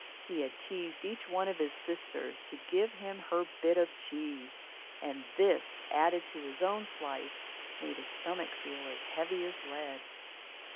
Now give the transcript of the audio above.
He had teased each one of his sisters to give him her bit of cheese, and this, added to his own slice, made his stomach feel as heavy as lead.